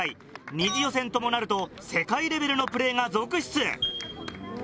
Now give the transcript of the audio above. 二次予選ともなると世界レベルのプレーが続出。